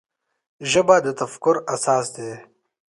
ژبه د تفکر اساس ده.